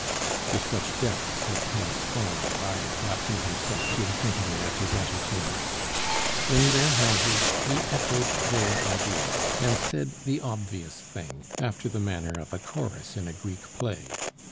To such depths had Pons fallen by adapting himself to the company of his entertainers! In their houses he echoed their ideas, and said the obvious thing, after the manner of a chorus in a Greek play.